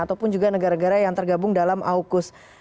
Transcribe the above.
ataupun juga negara negara yang tergabung dalam aukus